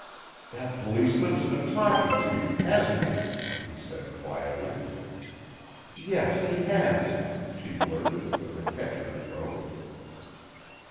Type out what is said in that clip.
"That policeman has been talking to you hasn't he?" he said quietly. "Yes, he has," she blurted, with a catch in her throat.